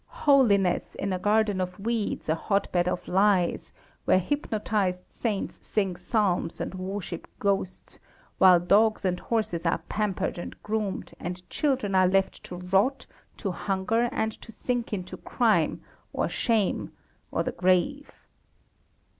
Holiness! In a garden of weeds, a hotbed of lies, where hypnotised saints sing psalms and worship ghosts, while dogs and horses are pampered and groomed, and children are left to rot, to hunger, and to sink into crime, or shame, or the grave.